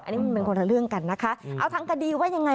อันนี้มันเป็นคนละเรื่องกันนะคะเอาทางคดีว่ายังไง